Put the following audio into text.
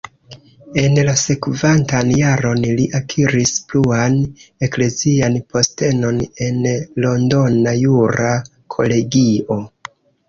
La sekvantan jaron li akiris pluan eklezian postenon en londona jura kolegio.